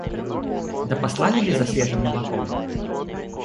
Да послали ли за свежим молоком?